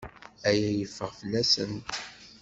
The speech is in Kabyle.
Aya yeffeɣ fell-asent.